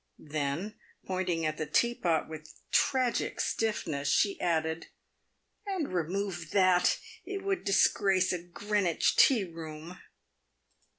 Then, pointing at the teapot with tragic stiffness, she added, " And remove that ! It would disgrace a Greenwich tea room."